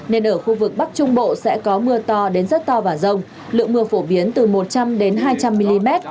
nên ở khu vực bắc trung bộ sẽ có mưa to đến rất to và rông lượng mưa phổ biến từ một trăm linh hai trăm linh mm